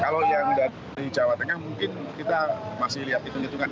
kalau yang dari jawa tengah mungkin kita masih lihat itu juga